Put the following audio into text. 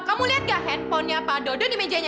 kamu lihat gak handphonenya pak dodo di mejanya